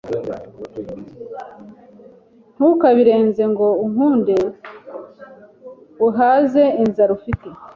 ntukabirenze ngo ukunde uhaze inzara ufite.